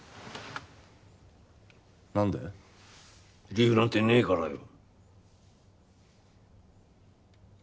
理由なんてねえからよ。